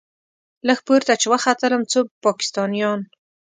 لږ پورته چې وختلم څو پاکستانيان.